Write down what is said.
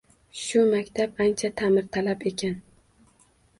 Shu maktab ancha ta’mirtalab ekan.